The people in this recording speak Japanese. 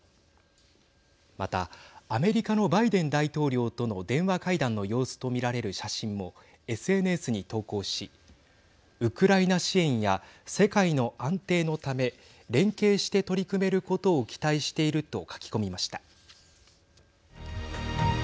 また、アメリカのバイデン大統領との電話会談の様子と見られる写真もＳＮＳに投稿しウクライナ支援や世界の安定のため連携して取り組めることを期待していると書き込みました。